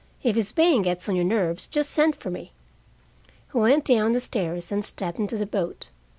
If his baying gets on your nerves, just send for me." He went down the stairs and stepped into the boat.